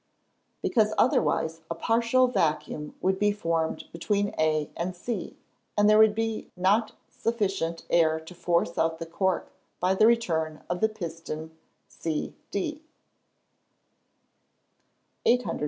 _ Because otherwise a partial vacuum would be formed between A and C, and there would not be sufficient air to force out the cork by the return of the piston C D.